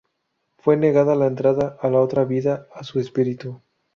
Fue negada la entrada a la otra vida a su espíritu.